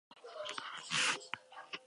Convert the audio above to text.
Horiek biltzen saiatu gara.